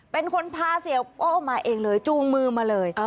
เป็นคนพาเสียโป้มาเองเลยจูงมือมาเลย